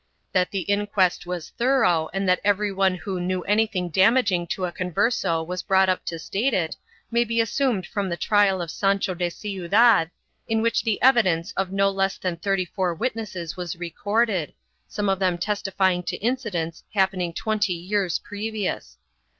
That the inquest was thorough and that every one who knew anything damaging to a Converse was brought up to state it may be assumed from the trial of Sancho de Ciudad in which the evidence of no less than thirty four witnesses was recorded, some of them testifying to incidents happening twenty years previous.